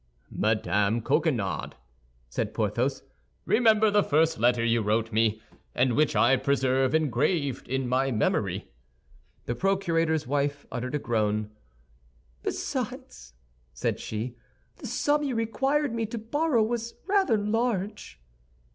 "Madame Coquenard," said Porthos, "remember the first letter you wrote me, and which I preserve engraved in my memory." The procurator's wife uttered a groan. "Besides," said she, "the sum you required me to borrow was rather large."